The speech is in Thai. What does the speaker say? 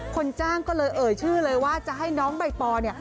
คนจ้างก็เลยเอ่ยชื่อเลยว่าจะให้น้องใบปอเนี่ย